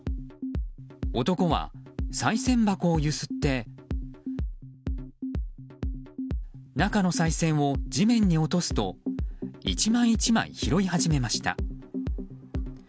男は、さい銭箱をゆすって中のさい銭を地面に落とすと１枚１枚拾い始めました。